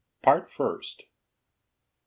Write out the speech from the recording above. PART FIRST. I.